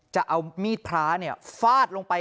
จะเอามีดพระเนี่ยฟาดลงไป